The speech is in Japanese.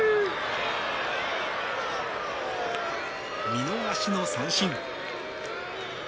見逃しの三振。